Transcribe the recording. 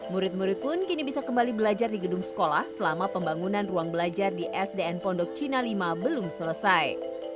murid murid pun kini bisa kembali belajar di gedung sekolah selama pembangunan ruang belajar di sdn pondok cina lima belum selesai